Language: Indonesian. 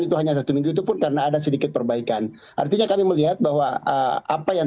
itu hanya satu minggu itu pun karena ada sedikit perbaikan artinya kami melihat bahwa apa yang